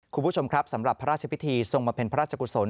คุณผู้ชมครับสำหรับพระราชพิธีทรงบำเพ็ญพระราชกุศล